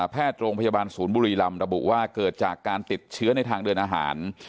แพทย์โรงพยาบาลศูนย์บุรีรำระบุว่าเกิดจากการติดเชื้อในทางเดินอาหาร